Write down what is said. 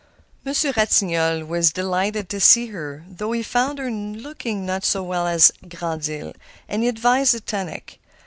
Monsieur Ratignolle was delighted to see her, though he found her looking not so well as at Grand Isle, and he advised a tonic.